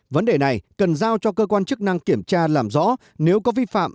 vấn đề này cần giao cho cơ quan chức năng kiểm tra làm rõ nếu có vi phạm